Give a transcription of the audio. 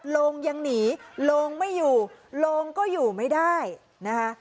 โรงยังหนีโลงไม่อยู่โรงก็อยู่ไม่ได้นะคะ